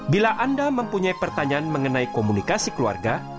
bila anda mempunyai pertanyaan mengenai komunikasi keluarga